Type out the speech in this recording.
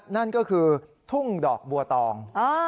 นั่นก็คือทุ่งดอกบัวตอง